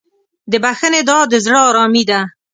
د بښنې دعا د زړه ارامي ده.